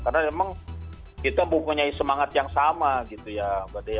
karena memang kita mempunyai semangat yang sama gitu ya mbak dea